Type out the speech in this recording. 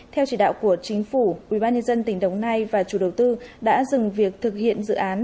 theo chỉ đạo của chính phủ ubnd tỉnh đồng nai và chủ đầu tư đã dừng việc thực hiện dự án